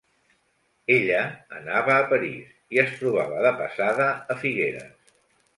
Ella anava a París i es trobava de passada a Figueres.